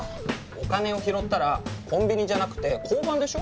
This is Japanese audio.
お金を拾ったらコンビニじゃなくて交番でしょ。